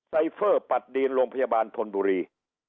เฟอร์ปัดดีนโรงพยาบาลธนบุรี